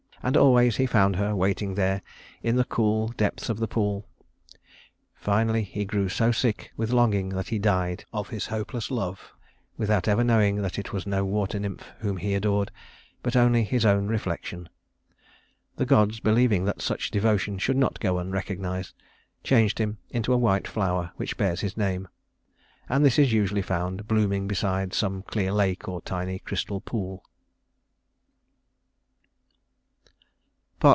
And always he found her waiting there in the cool depths of the pool. Finally he grew so sick with longing that he died of his hopeless love without ever knowing that it was no water nymph whom he adored, but only his own reflection. The gods, believing that such devotion should not go unrecognized, changed him into a white flower which bears his name; and this is usually found blooming beside some clear lake or tiny crystal pool.